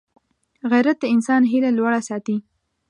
غیرت د انسان هیله لوړه ساتي